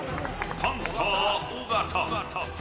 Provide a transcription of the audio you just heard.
パンサー尾形。